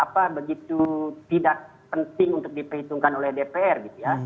atau begitu tidak penting untuk diperhitungkan oleh dpr